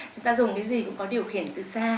chúng ta dùng cái gì cũng có điều khiển từ xa